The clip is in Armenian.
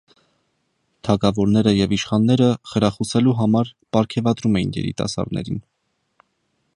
Թագավորները և իշխանները խրախուսելու համար պարգևատրում էին երիտասարդներին։